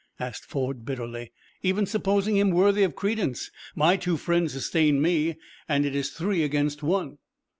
asked Ford, bitterly. "Even supposing him worthy of credence, my two friends sustain me, and it is three against one."